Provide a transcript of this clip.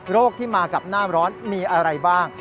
ที่มากับหน้าร้อนมีอะไรบ้าง